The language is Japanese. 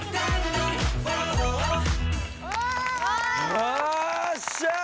よっしゃ！